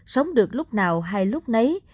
sống được lúc nào hay lúc nấy